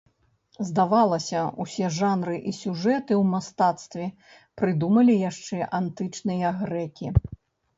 Здавалася, усе жанры і сюжэты ў мастацтве прыдумалі яшчэ антычныя грэкі.